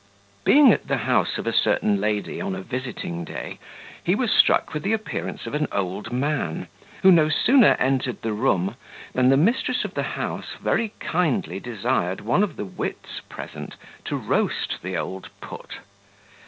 Being at the house of a certain lady on a visiting day, he was struck with the appearance of an old man, who no sooner entered the room than the mistress of the house very kindly desired one of the wits present to roast the old put.